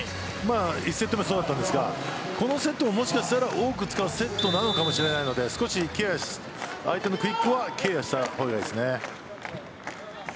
１セット目そうだったんですがこのセットも、もしかしたら多く使うセットなのかもしれないので相手のクイックはケアした方がいいですね。